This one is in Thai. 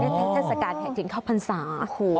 ในเทศกาลแห่เทียงเข้าพรษา